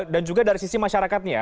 dan juga dari sisi masyarakatnya